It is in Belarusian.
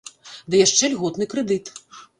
Ды яшчэ льготны крэдыт.